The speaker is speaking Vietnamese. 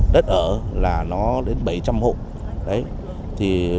đất ở là nó đến bảy trăm linh hộ